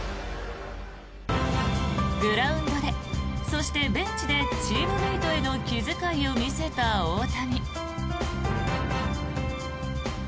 グラウンドで、そしてベンチでチームメートへの気遣いを見せた大谷。